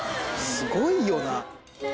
すごいよな。